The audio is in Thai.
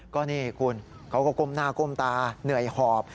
ก็นี่คุณเขาก็ก้มหน้าก้มตาเหนื่อยหอบ